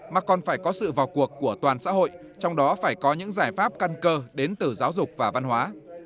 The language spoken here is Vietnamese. mà còn phải có sự vào cuộc của toàn xã hội trong đó phải có những giải pháp căn cơ đến từ giáo dục và văn hóa